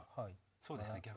そうですね。